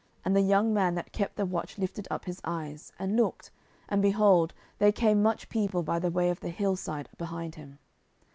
And the young man that kept the watch lifted up his eyes, and looked, and, behold, there came much people by the way of the hill side behind him.